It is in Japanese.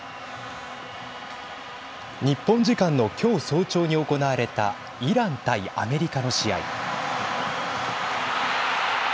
日本時間の今日早朝に行われたイラン対アメリカの試合。